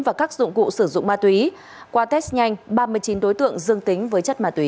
và các dụng cụ sử dụng ma túy qua test nhanh ba mươi chín đối tượng dương tính với chất ma túy